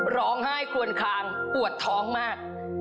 ร้องไห้ควนคางปวดท้องมาก